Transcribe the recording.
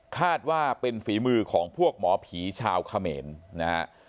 คาดว่าเป็นฝีมือของพวกหมอผีชาวเขมรนะฮะ